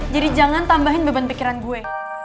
jadi jangan tambahin beban pikiran gue